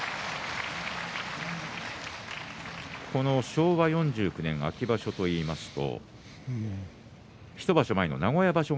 昭和４９年秋場所といいますと１場所前の名古屋場所